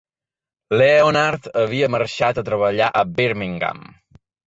Leonard havia marxat a treballar a Birmingham.